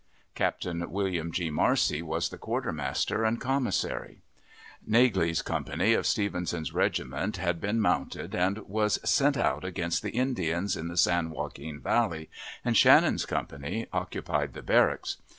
Captain William G. Marcy was the quartermaster and commissary. Naglee's company of Stevenson's regiment had been mounted and was sent out against the Indians in the San Joaquin Valley, and Shannon's company occupied the barracks.